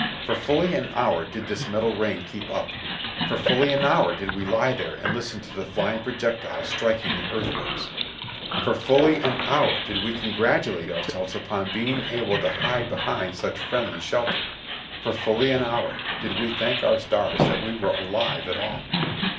For fully an hour did this metal rain keep up ; for fully an hour did we lie there and listen to the flying projectiles striking the earthworks ; for fully an hour did we congratulate ourselves upon being able to hide behind such friendly shelter; for fully an hour did we thank our stars that we were alive at all.